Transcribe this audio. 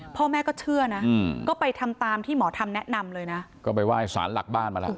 พ่อแม่ก็เชื่อนะก็ไปทำตามที่หมอทำแนะนำเลยนะก็ไปไหว้สารหลักบ้านมาแล้ว